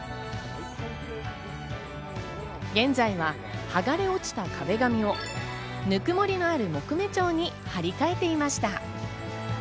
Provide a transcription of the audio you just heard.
現在は剥がれ落ちた壁紙をぬくもりのある木目調に張り替えていました。